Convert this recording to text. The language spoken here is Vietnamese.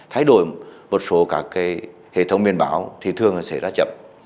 thay đổi một số các cái hệ thống biên bảo thì thường sẽ ra chậm